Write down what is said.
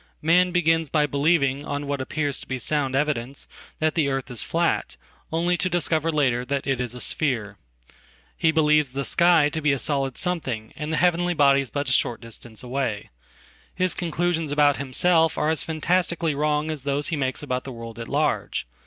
Man begins by believing, on what appears to be sound evidence, that the earth is flat, onlyto discover later that it is a sphere. He believes the sky to be asolid something and the heavenly bodies but a short distance away. His conclusions about himself are as fantastically wrong as thosehe makes about the world at large.